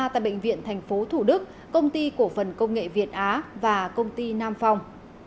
tại bệnh viện tp thủ đức công ty cổ phần công nghệ việt á và công ty nam phong